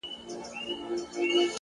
پرمختګ د دوامداره حرکت نوم دی